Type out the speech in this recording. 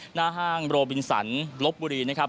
หน้าห้างโรบินสันลบบุรีนะครับ